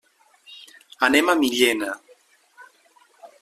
Anem a Millena.